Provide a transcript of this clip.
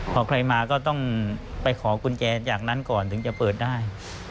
พอใครมาก็ต้องไปขอกุญแจจากนั้นก่อนถึงจะเปิดได้